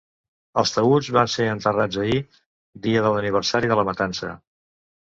Els taüts van ser enterrats ahir, dia de l’aniversari de la matança.